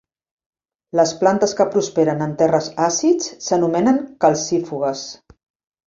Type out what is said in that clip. Les plantes que prosperen en terres àcids s'anomenen calcífugues.